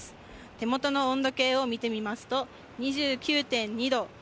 手元の温度計を見てみますと、２９．２度。